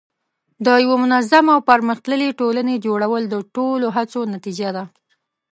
د یوه منظم او پرمختللي ټولنې جوړول د ټولو هڅو نتیجه ده.